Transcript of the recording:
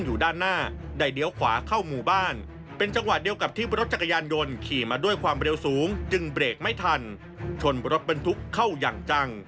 จากการสอบสวนของปรบลวชทราบว่า